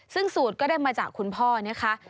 ซึ่งสูตรก็ได้มาจากคุณพ่อนะคะ